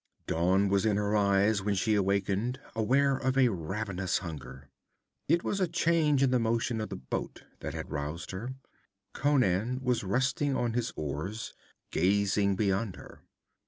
Dawn was in her eyes when she awakened, aware of a ravenous hunger. It was a change in the motion of the boat that had roused her; Conan was resting on his oars, gazing beyond her.